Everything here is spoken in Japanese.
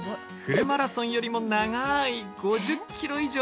フルマラソンよりも長い５０キロ以上の海岸線。